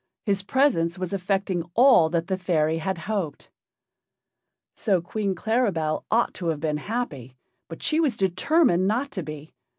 His presence was effecting all that the fairy had hoped. So Queen Claribel ought to have been happy. But she was determined not to be.